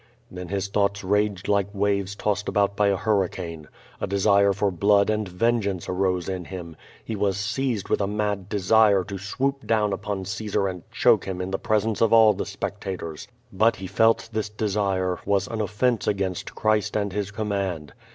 *' Then his thoughts raged like waves tossed about by a hurricane. A desire for blood and vengeance arose in him. He was seized with a mad desire to swoop down ui)on Caesar and choke him in the presence of all the spectators, but he felt this desire was an offense against Christ and His command.